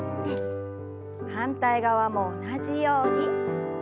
反対側も同じように。